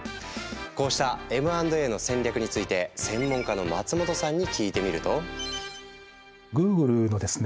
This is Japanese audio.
こうしたＭ＆Ａの戦略について専門家の松本さんに聞いてみると。